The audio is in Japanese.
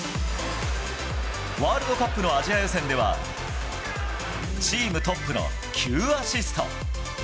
ワールドカップのアジア予選では、チームトップの９アシスト。